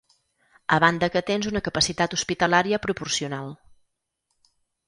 A banda que tens una capacitat hospitalària proporcional.